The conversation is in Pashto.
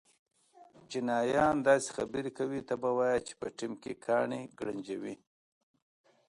چینایان داسې خبرې کوي ته به وایې چې په ټېم کې کاڼي گړنجوې.